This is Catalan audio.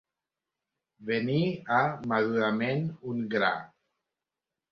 Venir a madurament un gra.